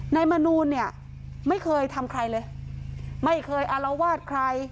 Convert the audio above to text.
มนูลเนี่ยไม่เคยทำใครเลยไม่เคยอารวาสใคร